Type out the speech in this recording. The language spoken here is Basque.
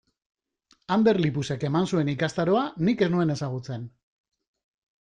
Ander Lipusek eman zuen ikastaroa nik ez nuen ezagutzen.